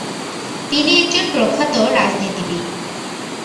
তিনি একজন প্রখ্যাত রাজনীতিবিদ ।